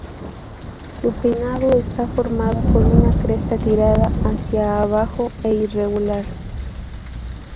Su peinado está formado por una cresta tirada hacia abajo e irregular.